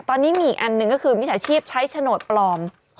ตอนนี้มีอีกอันหนึ่งก็คือมิจฉาชีพใช้โฉนดปลอม